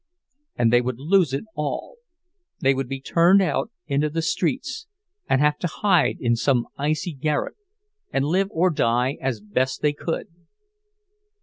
And they would lose it all; they would be turned out into the streets, and have to hide in some icy garret, and live or die as best they could!